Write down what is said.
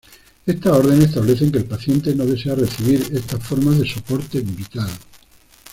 Estas órdenes establecen que el paciente no desea recibir estas formas de soporte vital.